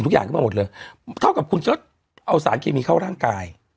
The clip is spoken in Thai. ทุกอย่างขึ้นมาหมดเลยเท่ากับคุณก็เอาสารเคมีเข้าร่างกาย